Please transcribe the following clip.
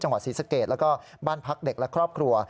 จังหวัดศรีสเกตและก็บ้านพักเด็กและครอบครัว